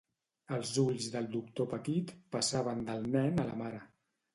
El ulls del doctor Petit passaven del nen a la mare.